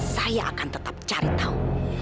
saya akan tetap cari tahu